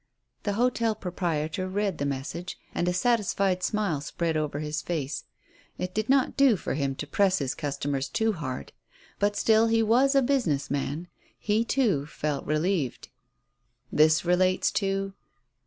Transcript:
The hotel proprietor read the message, and a satisfied smile spread over his face. It did not do for him to press his customers too hard. But still he was a business man. He, too, felt relieved. "This relates to